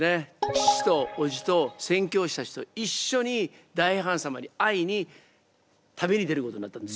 父とおじと宣教師たちといっしょに大ハーン様に会いに旅に出ることになったんですよ。